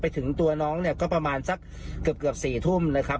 ถึงตัวน้องเนี่ยก็ประมาณสักเกือบ๔ทุ่มนะครับ